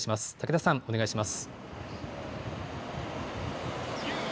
武田さん、お願いします。